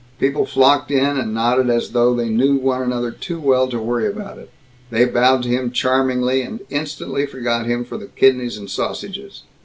People flocked in, and nodded as though they knew one another too well to worry about it. They bowed to him charmingly, and instantly forgot him for the kidneys and sausages.